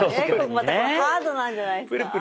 またこれハードなんじゃないですか。